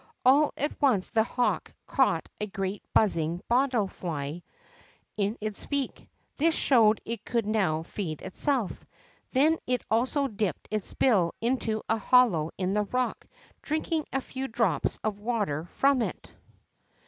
All at once the haAvk caught a great buzzing bottlefly in its beak. This shoAved it could noAV feed itself. Then it also dipped its bill into a holloAv in the rock, drinking a fcAv drops of Avater from it.